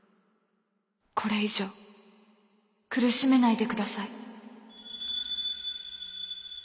これ以上苦しめないでください。